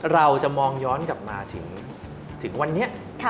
เราจะมองย้อนกลับมาถึงวันนี้